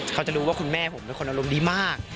เขาจะรู้ว่าคุณแม่ผมเป็นคนอารมณ์ดีมาก